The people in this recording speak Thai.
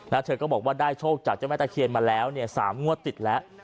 แล้วเธอก็บอกว่าได้โชคจากเจ้าแม่ตะเคียนมาแล้วเนี่ย๓งวดติดแล้ว